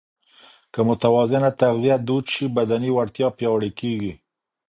که متوازنه تغذیه دود شي، بدني وړتیا پیاوړې کېږي.